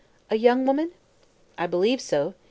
"A young woman?" "I believe so.